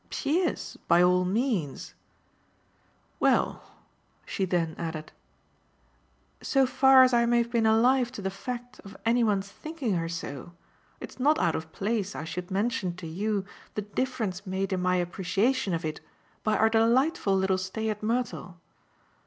"She is, by all means. Well," she then added, "so far as I may have been alive to the fact of any one's thinking her so, it's not out of place I should mention to you the difference made in my appreciation of it by our delightful little stay at Mertle.